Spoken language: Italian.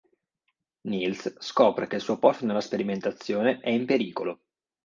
Niels scopre che il suo posto nella sperimentazione è in pericolo.